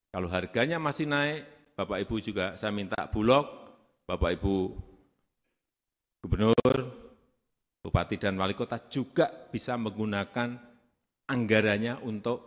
kalau harganya masih naik bapak ibu juga saya minta bulog bapak ibu gubernur bupati dan wali kota juga bisa menggunakan anggaranya untuk